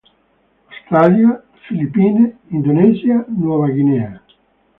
Australia, Filippine, Indonesia, Nuova Guinea.